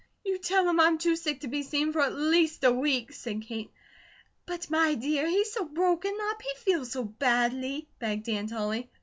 "You tell him I'm too sick to be seen for at least a week," said Kate. "But, my dear, he's so broken up; he feels so badly," begged Aunt Ollie.